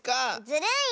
ずるい！